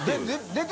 出て。